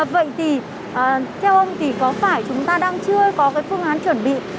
vậy thì theo ông thì có phải chúng ta đang chưa có cái phương án chuẩn bị